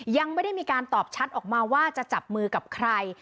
ยังไม่ได้มีการตอบชัดออกมาว่าจะจับมือกับใคร